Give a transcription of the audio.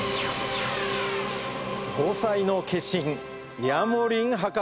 防災の化身ヤモリン博士じゃ！